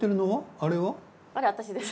あれ私です。